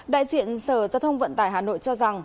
đại diện sở giao thông vận tải hà nội cho rằng